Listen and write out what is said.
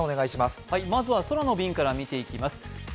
まずは空の便から見ていきます。